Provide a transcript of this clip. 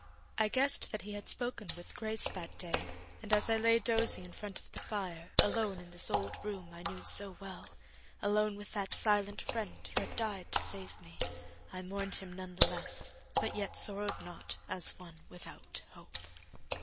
I guessed that he had spoken with Grace that day, and as I lay dozing in front of the fire, alone in this old room I knew so well, alone with that silent friend who had died to save me, I mourned him none the less, but yet sorrowed not as one without hope.